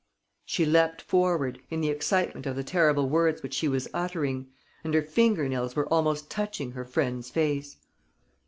She leapt forward, in the excitement of the terrible words which she was uttering; and her finger nails were almost touching her friend's face.